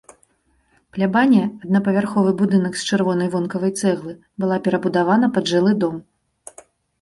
Плябанія, аднапавярховы будынак з чырвонай вонкавай цэглы, была перабудавана пад жылы дом.